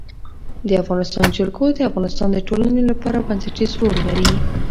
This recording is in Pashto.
د افغانستان جلکو د افغانستان د ټولنې لپاره بنسټيز رول لري.